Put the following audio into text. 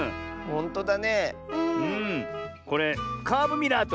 ほんとだ。